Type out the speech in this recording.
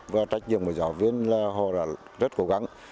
và trách nhiệm của giáo viên là họ đã rất cố gắng